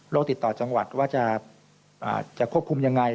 โลกติดต่อจังหวัดว่าจะควบคุมอย่างไร